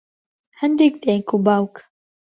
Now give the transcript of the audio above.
هەندێک دایک و باوک